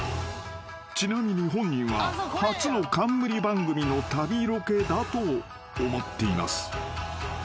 ［ちなみに本人は初の冠番組の旅ロケだと思っています］